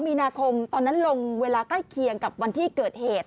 มีนาคมตอนนั้นลงเวลาใกล้เคียงกับวันที่เกิดเหตุ